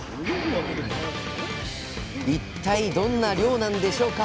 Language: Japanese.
一体どんな漁なんでしょうか。